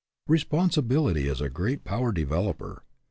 Responsibility is a great power developer.